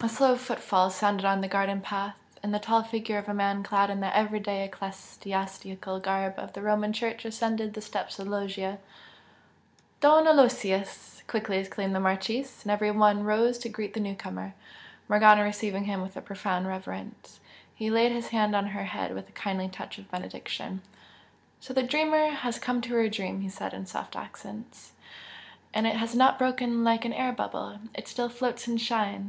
A slow footfall sounded on the garden path, and the tall figure of a man clad in the everyday ecclesiastical garb of the Roman Church ascended the steps of the loggia. "Don Aloysius!" quickly exclaimed the Marchese, and every one rose to greet the newcomer, Morgana receiving him with a profound reverence. He laid his hand on her head with a kindly touch of benediction. "So the dreamer has come to her dream!" he said, in soft accents "And it has not broken like an air bubble! it still floats and shines!"